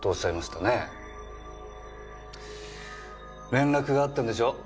連絡があったんでしょう？